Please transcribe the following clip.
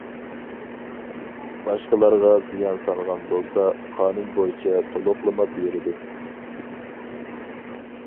باشقىلارغا زىيان سالغان بولسا، قانۇن بويىچە تولۇقلىما بېرىدۇ.